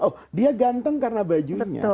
oh dia ganteng karena bajunya